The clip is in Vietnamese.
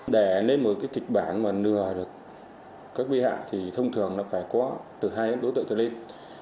để lên một kịch bản mà lừa được các vi hạng thì thông thường phải có từ hai đối tượng cho lên